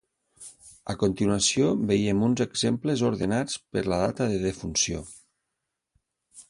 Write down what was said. A continuació veiem uns exemples ordenats per la data de defunció.